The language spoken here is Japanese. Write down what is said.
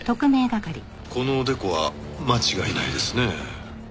このおでこは間違いないですね。